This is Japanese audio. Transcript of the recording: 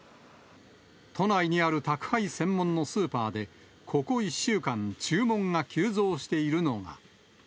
都内にある宅配専門のスーパーで、ここ１週間、注文が急増しているのが。